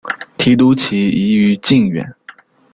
提督旗移于靖远。